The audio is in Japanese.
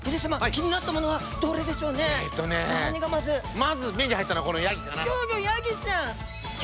まず目に入ったのはこのヤギかな。